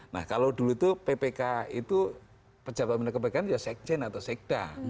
nah kalau dulu itu ppk itu pejabat pembina kepegawaian itu sekjen atau sekda